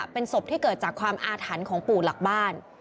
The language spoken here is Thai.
เป็นศพที่เกิดจากความอาถรรพ์ของปู่หลักบ้าน